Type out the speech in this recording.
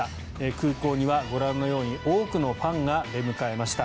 空港にはご覧のように多くのファンが出迎えました。